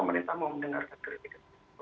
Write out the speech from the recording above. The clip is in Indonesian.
pemerintah mau mendengarkan kritik kritik